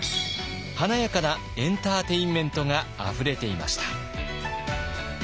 華やかなエンターテインメントがあふれていました。